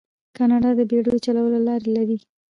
کاناډا د بیړیو چلولو لارې لري.